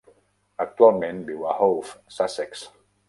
Actualment viu a Hove, Sussex.